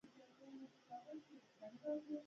هيله او ناجيه به څنګه ماته د خوښۍ زيری راکړي